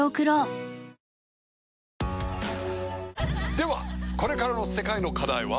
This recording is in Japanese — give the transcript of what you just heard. ではこれからの世界の課題は？